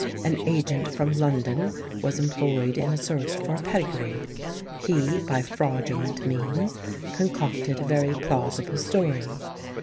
An agent from London was employed in a search for a pedigree. He, by fraudulent means, concocted a very plausible story.